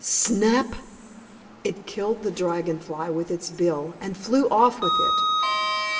Snap! it killed the Dragon Fly with its bill, and flew off with it.